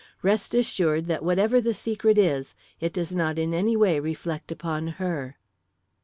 Rest assured that whatever the secret is, it does not in any way reflect upon her."